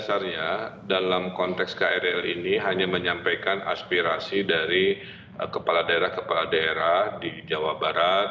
dasarnya dalam konteks krl ini hanya menyampaikan aspirasi dari kepala daerah kepala daerah di jawa barat